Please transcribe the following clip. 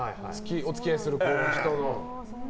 お付き合いする人の。